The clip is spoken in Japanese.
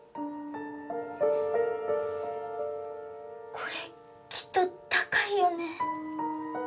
これきっと高いよね。